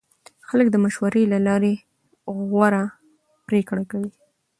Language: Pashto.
خلک د مشورې له لارې غوره پرېکړې کوي